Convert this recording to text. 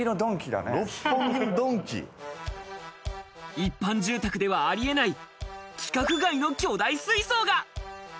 一般住宅ではありえない規格外の巨大水槽が。